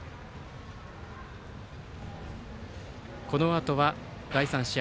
このあとは第３試合